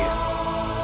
dan membersihkan namanya